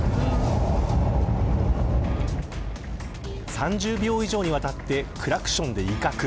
３０秒以上にわたってクラクションで威嚇。